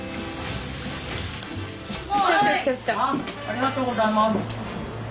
ありがとうございます。